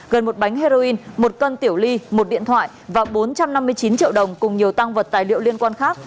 gần một bánh heroin một cân tiểu ly một điện thoại và bốn trăm năm mươi chín triệu đồng cùng nhiều tăng vật tài liệu liên quan khác